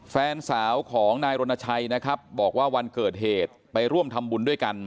แฟนสาวของนายรณชัยนะครับบอกว่าวันเกิดเหตุไปร่วมทำบุญด้วยกัน